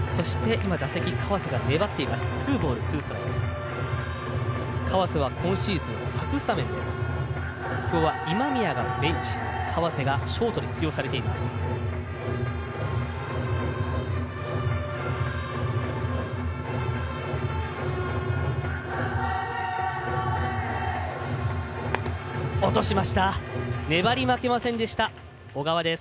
今シーズン初スタメンきょう今宮はベンチ川瀬がショートに起用されています。